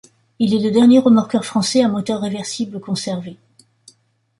Il est le dernier remorqueur français à moteur réversible conservé.